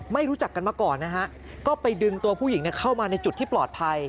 รู้จักกันมาก่อนนะฮะก็ไปดึงตัวผู้หญิงเข้ามาในจุดที่ปลอดภัย